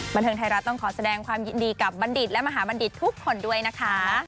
บันเทิงไทยรัฐต้องขอแสดงความยินดีกับบัณฑิตและมหาบัณฑิตทุกคนด้วยนะคะ